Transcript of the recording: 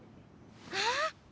あっ！